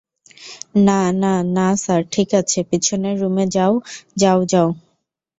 না, না, না, স্যার ঠিক আছে পিছনের রুমে যাও, যাও, যাও।